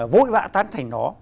vội vã tán thành nó